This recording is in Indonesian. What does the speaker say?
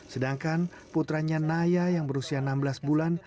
sedangkan putranya naya yang berusia enam belas bulan